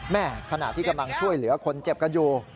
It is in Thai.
ขณะที่กำลังช่วยเหลือคนเจ็บกันอยู่